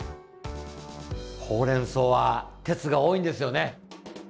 ほうれんそうは鉄が多いんですよね。